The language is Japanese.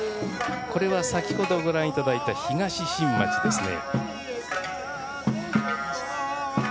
これは先ほどご覧いただいた東新町ですね。